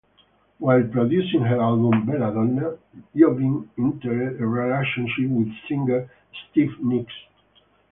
While producing her album "Bella Donna", Iovine entered a relationship with singer Stevie Nicks.